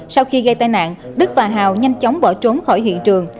sau khi gây tai nạn đức và hào nhanh chóng bỏ trốn khỏi hiện trường